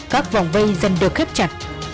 các vòng vây dần được khép chặt